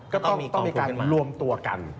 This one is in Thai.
ก็ต้องมีการรวมตัวกัน